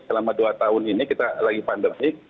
selama dua tahun ini kita lagi pandemi